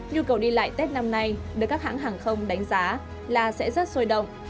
nhu cầu đi lại tết năm nay được các hãng hàng không đánh giá là sẽ rất sôi động